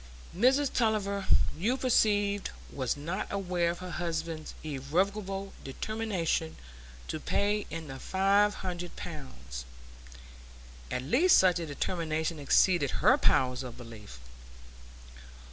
Mrs Tulliver, you perceive, was not aware of her husband's irrevocable determination to pay in the five hundred pounds; at least such a determination exceeded her powers of belief.